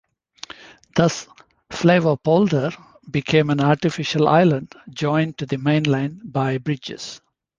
Thus Flevopolder became an artificial island joined to the mainland by bridges.